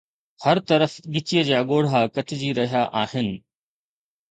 هر طرف ڳچيءَ جا ڳوڙها ڪٽجي رهيا آهن